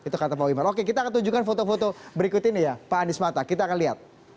itu kata pak wimar oke kita akan tunjukkan foto foto berikut ini ya pak anies mata kita akan lihat